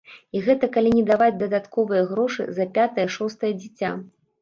І гэта калі не даваць дадатковыя грошы за пятае-шостае дзіця.